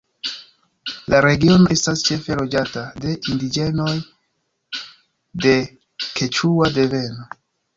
La regiono estas ĉefe loĝata de indiĝenoj de keĉua deveno.